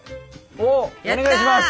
おっお願いします！